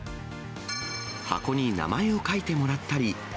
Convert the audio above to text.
箱に名前を書いてもらったり。